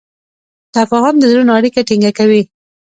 تفاهم د زړونو اړیکه ټینګه کوي.